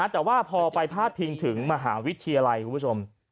แต่พอไปภาดพิงถึงมหาวิทยาลัย